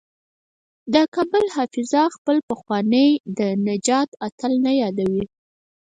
د کابل حافظه خپل پخوانی د نجات اتل نه یادوي.